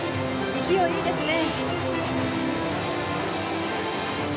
勢い、いいですね！